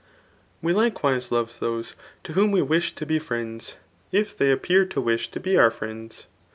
We likewise love those to whom we wish to be friends, if they wp pear to wish to be our friends.